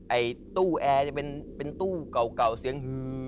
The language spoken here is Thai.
ไอ้ตู้แอร์จะเป็นตู้เก่าเสียง